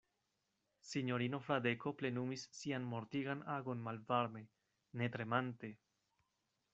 Sinjorino Fradeko plenumis sian mortigan agon malvarme, ne tremante.